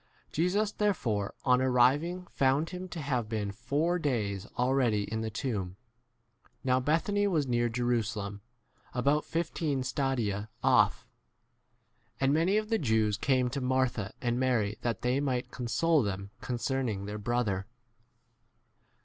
17 Jesus therefore [on] arriving found him to have been four days 18 already in the tomb. Now Bethany was near Jerusalem, about fifteen 19 stadia off, and many of the Jews came to Martha and Mary that they might console them concern 20 ing their brother.